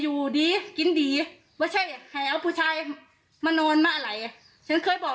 อยู่ดีกินดีว่าใช่ให้เอาผู้ชายมานอนมาอะไรฉันเคยบอก